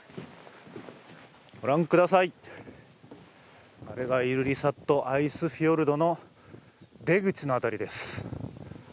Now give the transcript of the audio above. ご覧ください、あれがイルリサットアイスフィヨルドの出口の辺りです。